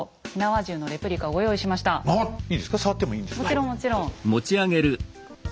もちろんもちろん。